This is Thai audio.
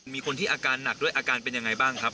มีคนที่อาการหนักด้วยอาการเป็นยังไงบ้างครับ